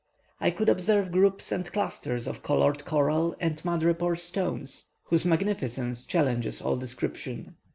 I could observe groups and clusters of coloured coral and madrepore stone, whose magnificence challenges all description.